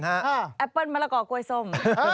พูดถึงแอปเปิ้ลมะละก่อกร่วยส้ม